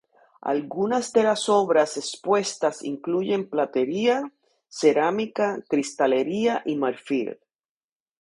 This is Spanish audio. Algunas de las obras expuestas incluyen platería, cerámica, cristalería y marfil.